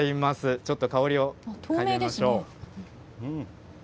ちょっと香りを嗅いでみましょう。